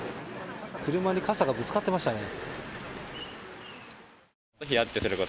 車に傘がぶつかっていましたね。